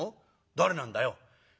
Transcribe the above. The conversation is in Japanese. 「誰なんだよ？」。